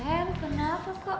neng kenapa kok